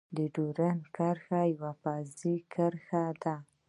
د ډيورند کرښه يوه فرضي کرښه ده.